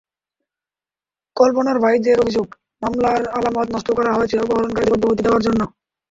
কল্পনার ভাইদের অভিযোগ, মামলার আলামত নষ্ট করা হয়েছে অপহরণকারীদের অব্যাহতি দেওয়ার জন্য।